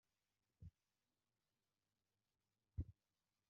Mu myanya y'icyubahiro kuri sitade ya Kicukiro .